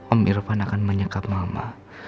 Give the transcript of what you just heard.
om irfan akan menyekap mama